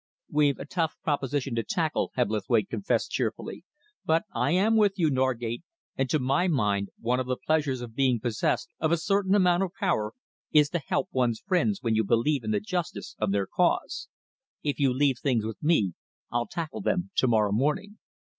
"We've a tough proposition to tackle," Hebblethwaite confessed cheerfully, "but I am with you, Norgate, and to my mind one of the pleasures of being possessed of a certain amount of power is to help one's friends when you believe in the justice of their cause. If you leave things with me, I'll tackle them to morrow morning."